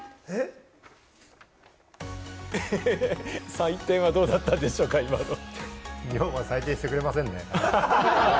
採点はどうなったんでしょう女房は採点してくれませんね。